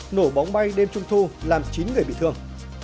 nổ bóng bay đêm trung thu làm chín người bị thương